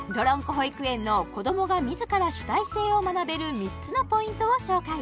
保育園の子どもが自ら主体性を学べる３つのポイントを紹介